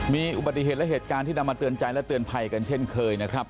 มีอุบัติเหตุและเหตุการณ์ที่นำมาเตือนใจและเตือนภัยกันเช่นเคยนะครับ